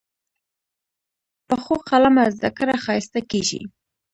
پخو قلمه زده کړه ښایسته کېږي